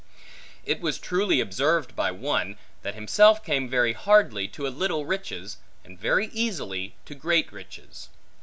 It was truly observed by one, that himself came very hardly, to a little riches, and very easily, to great riches.